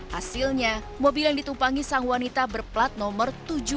hasilnya mobil yang ditumpangi sang wanita berplat nomor tujuh lima satu sembilan empat tiga